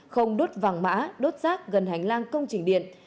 không đốt vàng mã đốt rác gần hành lang công trình điện